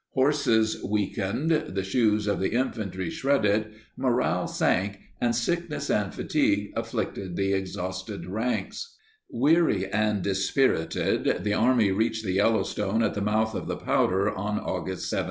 Horses weakened, the shoes of the infantry shredded, morale sank, and sickness and fatigue afflicted the exhausted ranks. Weary and dispirited, the army reached the Yel lowstone at the mouth of the Powder on August 17. It had labored in vain.